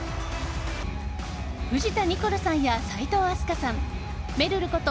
藤田ニコルさんや齋藤飛鳥さんめるること